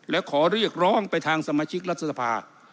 และขอเรียกร้องไปทางสมาชิกรัฐสภา